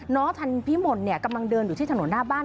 ท่านพิมลกำลังเดินอยู่ที่ถนนหน้าบ้าน